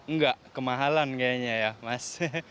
enggak kemahalan kayaknya ya mas